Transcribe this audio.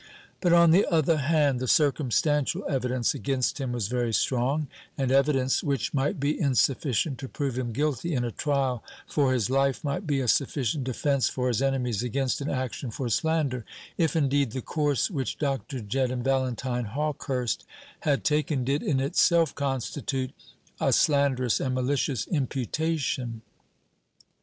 But on the other hand, the circumstantial evidence against him was very strong; and evidence which might be insufficient to prove him guilty in a trial for his life might be a sufficient defence for his enemies against an action for slander; if, indeed, the course which Dr. Jedd and Valentine Hawkehurst had taken did in itself constitute a slanderous and malicious imputation.